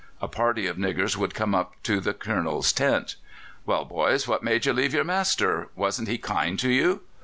A party of niggers would come up to the Colonel's tent. "Well, boys, what made you leave your master? Wasn't he kind to you?"